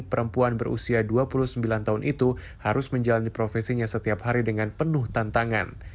perempuan berusia dua puluh sembilan tahun itu harus menjalani profesinya setiap hari dengan penuh tantangan